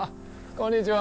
こんにちは。